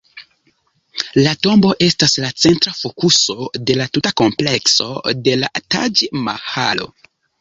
La tombo estas la centra fokuso de la tuta komplekso de la Taĝ-Mahalo.